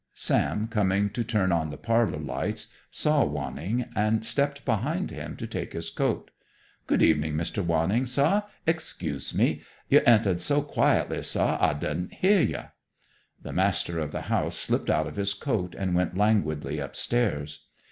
Sam, coming to turn on the parlor lights, saw Wanning and stepped behind him to take his coat. "Good evening, Mr. Wanning, sah, excuse me. You entahed so quietly, sah, I didn't heah you." The master of the house slipped out of his coat and went languidly upstairs.